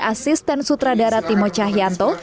asisten sutradara timo cahyanto